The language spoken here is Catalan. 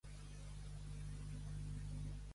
Enveja i conhort estan en desacord.